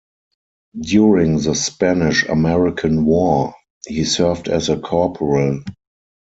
During the Spanish-American War, he served as a corporal.